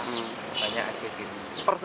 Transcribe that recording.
untuk selanjutnya pemudik purwokerto